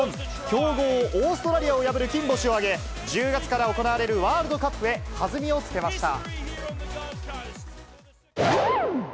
強豪オーストラリアを破る金星を挙げ、１０月から行われるワールドカップへ、弾みをつけました。